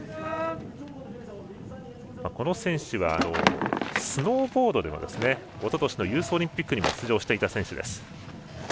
この選手はスノーボードではおととしのユースオリンピックも出場していた選手です。